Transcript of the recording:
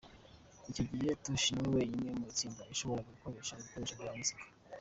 Icyo gihe Tosh niwe wenyine mu itsinda washoboraga gukoresha ibikoresho bya muzika.